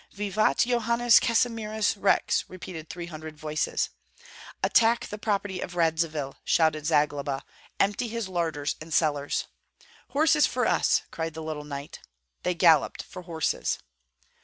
"Vivat Johannes Casimirus Rex!" repeated three hundred voices. "Attack the property of Radzivill!" shouted Zagloba, "empty his larders and cellars!" "Horses for us!" cried the little knight. They galloped for horses.